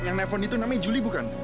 yang nepon itu namanya julie bukan